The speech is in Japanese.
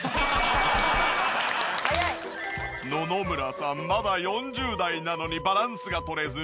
野々村さんまだ４０代なのにバランスが取れず２秒。